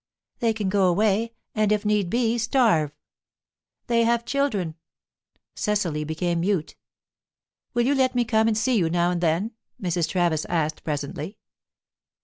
"They can go away, and, if need be, starve." "They have children." Cecily became mute. "Will you let me come and see you now and then?" Mrs. Travis asked presently.